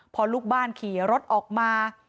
พอลูกบ้านขี่รถออกมา